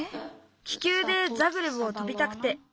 気球でザグレブを飛びたくて。